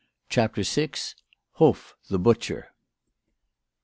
CHAPTER YI. HOFF THE BUTCHER.